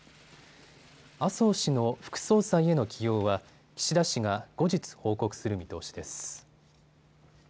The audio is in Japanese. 麻生氏の副総裁への起用は岸田氏が後日、報告する見通しです。